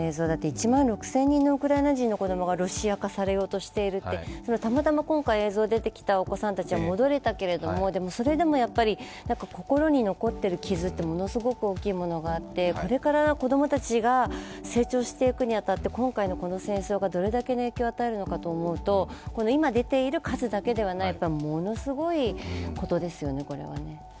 １万６０００人のウクライナ人の子供がロシア化されようとしているってたまたま今回、映像が出てきたお子さんたちは戻れたけれども、それでも心に残っている傷ってものすごく大きいものがあってこれから子供たちが成長していくに当たって今回のこの戦争がどれだけの影響を与えるのかと思うと今出ている数だけではない、これはものすごいことですよね。